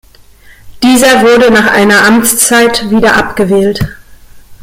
Dieser wurde nach einer Amtszeit wieder abgewählt.